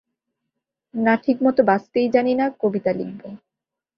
না ঠিক মতো বাঁচতেই জানি না, কবিতা লিখব।